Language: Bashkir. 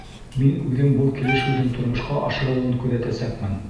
— Мин үҙем был килешеүҙең тормошҡа ашырылыуын күҙәтәсәкмен.